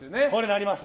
なります。